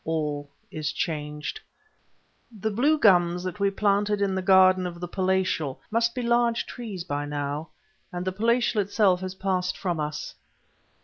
All is changed. The blue gums that we planted in the garden of the "Palatial" must be large trees by now, and the "Palatial" itself has passed from us.